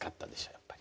やっぱり。